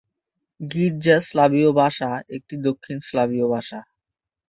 গির্জা স্লাভীয় ভাষা একটি দক্ষিণ স্লাভীয় ভাষা।